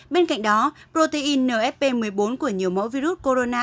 bên cạnh đó protein nfp một mươi bốn của nhiều mẫu virus corona